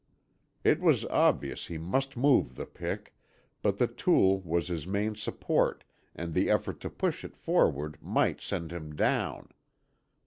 It was obvious he must move the pick, but the tool was his main support and the effort to push it forward might send him down.